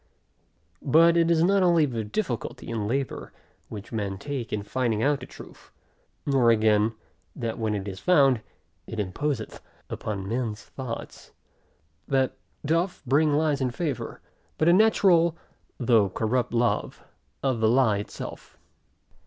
But it is not only the difficulty and labor, which men take in finding out of truth, nor again, that when it is found, it imposeth upon men's thoughts, that doth bring lies in favor; but a natural, though corrupt love, of the lie itself.